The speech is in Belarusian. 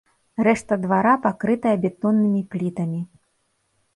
Рэшта двара пакрытая бетоннымі плітамі.